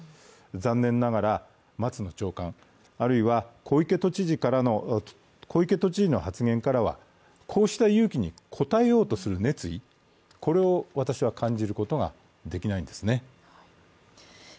残念ながら松野長官、あるいは小池都知事の発言からは、こうした勇気に応えようとする熱意を感じることはできないんですね。